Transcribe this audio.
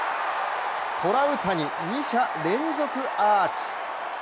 トラウタニ、２者連続アーチ。